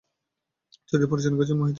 চলচ্চিত্রটি পরিচালনা করেছেন মোহিত সুরি।